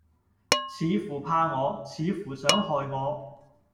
似乎怕我，似乎想害我。